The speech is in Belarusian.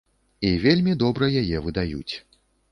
І вельмі добра яе выдаюць.